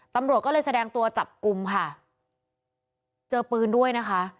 ตำรวจก็เลยแสดงตัวจับกลุ่มค่ะเจอปืนด้วยนะคะ